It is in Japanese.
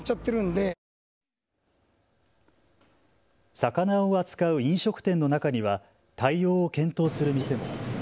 魚を扱う飲食店の中には対応を検討する店も。